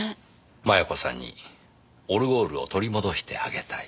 摩耶子さんにオルゴールを取り戻してあげたい。